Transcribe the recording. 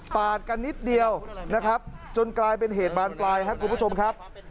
กันนิดเดียวนะครับจนกลายเป็นเหตุบานปลายครับคุณผู้ชมครับ